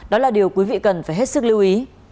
đó là điều quý vị cần phải hết sức lưu ý